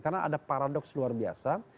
karena ada paradoks luar biasa